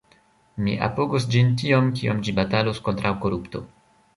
Mi apogos ĝin tiom kiom ĝi batalos kontraŭ korupto.